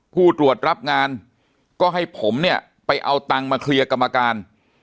ผู้ตรวจรับงานก็ให้ผมเนี่ยไปเอาตังค์มาเคลียร์กรรมการ